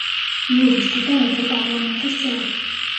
იურისტი და ევროპარლამენტის წევრი.